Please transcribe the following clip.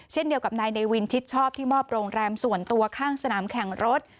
เช่นเดียวกับนายเนวินชิดชอบที่มอบโรงแรมส่วนตัวข้างสนามแข่งรถ